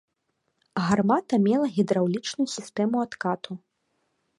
Гармата мела гідраўлічную сістэму адкату.